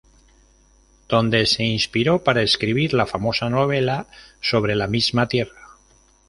Donde se inspiró para escribir la famosa novela "Sobre la misma tierra".